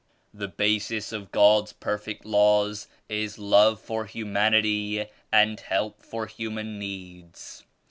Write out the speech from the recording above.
The basis of God's perfect laws is love for humanity and help for human needs.